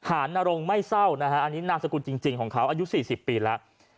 อันนี้นามสกุลจริงของเขาอายุ๔๐ปีแล้ว